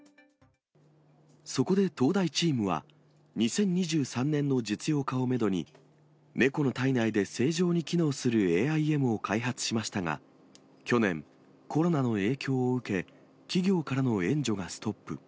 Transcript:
そこで東大チームは、２０２３年の実用化をメドに、猫の体内で正常に機能するＡＩＭを開発しましたが、去年、コロナの影響を受け、企業からの援助がストップ。